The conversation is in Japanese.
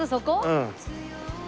うん。